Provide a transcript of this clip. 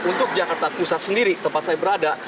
untuk jakarta pusat sendiri tempat saya berada